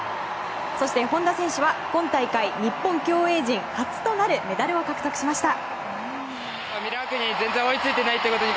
そして本多選手は今大会、日本競泳陣初となるメダルを獲得しました。